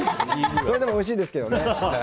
それでもおいしいんですけどね。